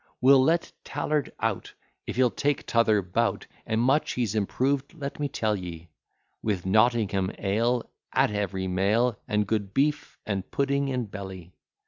We'll let Tallard out, If he'll take t'other bout; And much he's improved, let me tell ye, With Nottingham ale At every meal, And good beef and pudding in belly.